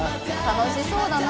楽しそうだな。